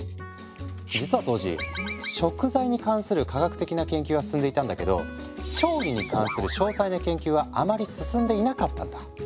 実は当時「食材」に関する科学的な研究は進んでいたんだけど「調理」に関する詳細な研究はあまり進んでいなかったんだ。